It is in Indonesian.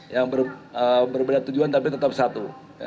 yang berbeda tujuan tapi tetap satu